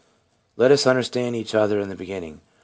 Let us understand each other in the beginning.